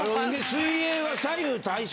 水泳は左右対称。